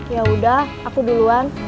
yaudah aku duluan